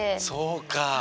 そうか。